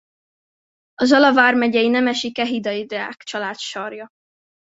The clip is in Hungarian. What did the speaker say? A Zala vármegyei nemesi kehidai Deák család sarja.